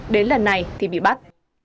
đến lần này thì bị bắt